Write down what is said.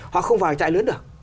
hoặc không vào trại lớn được